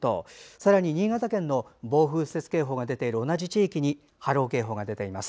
さらに新潟県の暴風雪警報が出ている同じ地域に波浪警報が出ています。